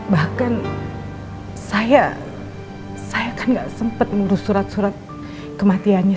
bahkan saya kan gak sempat ngurus surat surat kematiannya